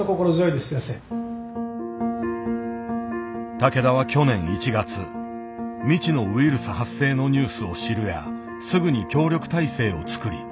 竹田は去年１月未知のウイルス発生のニュースを知るやすぐに協力体制をつくり